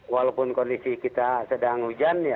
walaupun kondisi kita sedang hujan